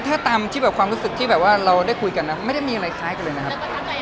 ถ้าตามที่แบบความรู้สึกที่แบบว่าเราได้คุยกันนะไม่ได้มีอะไรคล้ายกันเลยนะครับ